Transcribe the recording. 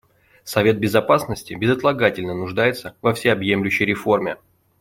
Совет Безопасности безотлагательно нуждается во всеобъемлющей реформе.